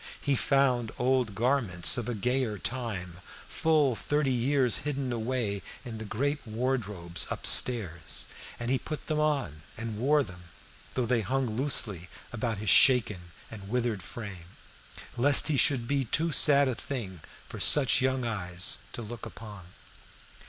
He found old garments of a gayer time, full thirty years hidden away in the great wardrobes up stairs, and he put them on and wore them, though they hung loosely about his shaken and withered frame, lest he should be too sad a thing for such young eyes to look upon.